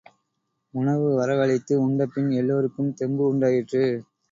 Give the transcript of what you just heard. உணவு வரவழைத்து உண்டபின் எல்லாருக்கும் தெம்பு உண்டாயிற்று.